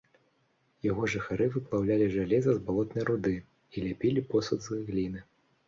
Яго жыхары выплаўлялі жалеза з балотнай руды і ляпілі посуд з гліны.